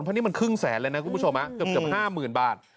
เพราะนี่มันครึ่งแสนเลยนะคุณผู้ชมนะเกือบห้ามหมื่นบาท